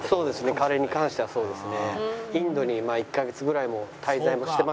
カレーに関してはそうですね。